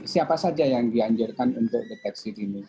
siapa saja yang dianjurkan untuk deteksi dini